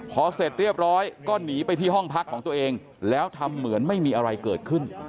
พอเสร็จเรียบร้อยก็หนีไปที่ห้องพักของตัวเองแล้วทำเหมือนไม่มีอะไรเกิดขึ้น